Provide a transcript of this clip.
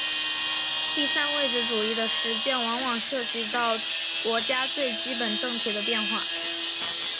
第三位置主义的实践往往涉及到国家最基本政体的变化。